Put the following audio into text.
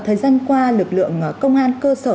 thời gian qua lực lượng công an cơ sở